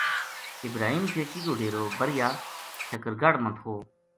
ابراہیم چیچی کو ڈیرو بریا شکرگڑھ ما تھو